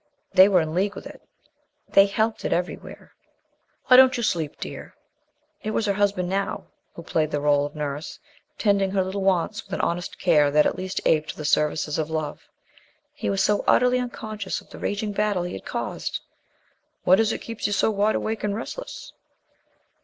They were in league with it. They helped it everywhere. "Why don't you sleep, dear?" It was her husband now who played the rôle of nurse, tending her little wants with an honest care that at least aped the services of love. He was so utterly unconscious of the raging battle he had caused. "What is it keeps you so wide awake and restless?"